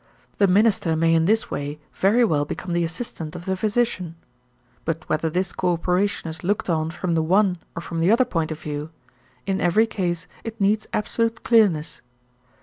The minister may in this way very well become the assistant of the physician. But whether this coöperation is looked on from the one or from the other point of view, in every case it needs absolute clearness.